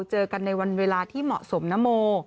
เจอกันในวันเวลาที่เหมาะสมนโม